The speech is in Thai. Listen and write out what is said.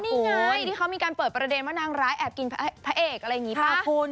อ๋อนี่ไงที่เขามีการเปิดประเด็นว่านางร้ายแอบกินพระเอกหล่ะคุณ